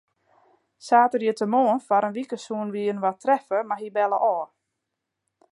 Saterdeitemoarn foar in wike soene wy inoar treffe, mar hy belle ôf.